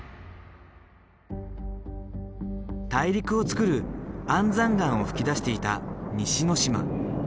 大陸をつくる安山岩を噴き出していた西之島。